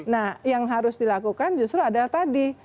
nah yang harus dilakukan justru adalah tadi